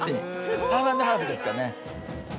ハーフ＆ハーフですかね。